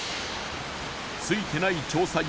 ツイてない調査員